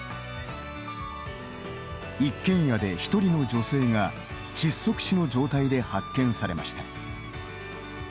一軒家で１人の女性が窒息死の状態で発見されました。